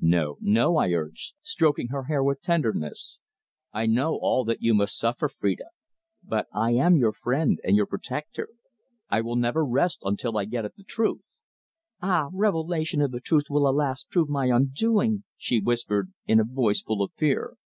"No, no," I urged, stroking her hair with tenderness. "I know all that you must suffer, Phrida, but I am your friend and your protector. I will never rest until I get at the truth." "Ah! Revelation of the truth will, alas! prove my undoing!" she whispered, in a voice full of fear.